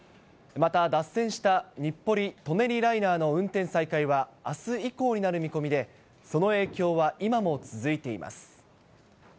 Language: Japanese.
また脱線した日暮里・舎人ライナーの運転再開はあす以降になる見込みで、その影響は今も続いています。